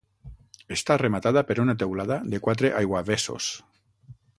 Està rematada per una teulada de quatre aiguavessos.